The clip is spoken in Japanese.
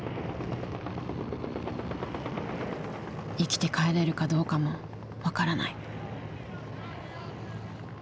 生きて帰れるかどうかも分からない。